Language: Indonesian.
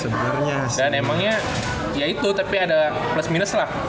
dan emangnya ya itu tapi ada plus minus lah